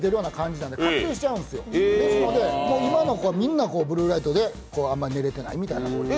なので今の子はみんなブルーライトであまり寝れてないみたいな。